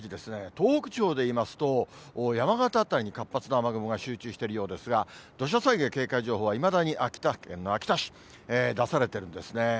東北地方で言いますと、山形辺りに活発な雨雲が集中してるようですが、土砂災害警戒情報はいまだに秋田県の秋田市、出されてるんですね。